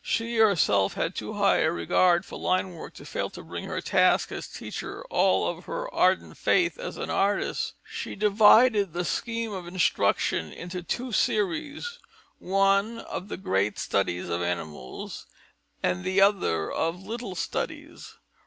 She herself had too high a regard for line work to fail to bring to her task as teacher all of her ardent faith as an artist. She divided the scheme of instruction into two series, one of the great studies of animals and the other of little studies.